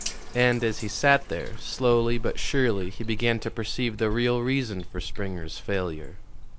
And, as he sat there, slowly but surely he began to perceive the real reason for Springer's failure.